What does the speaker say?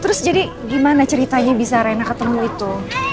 terus jadi gimana ceritanya bisa rena ketemu itu